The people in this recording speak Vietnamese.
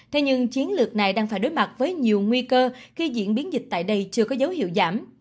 thế nhưng chiến lược này đang phải đối mặt với nhiều nguy cơ khi diễn biến dịch tại đây chưa có dấu hiệu giảm